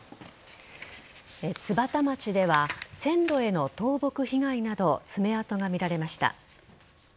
津幡町では線路への倒木被害など爪痕が見られました。